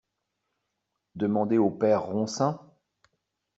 Demandez au Père Ronsin.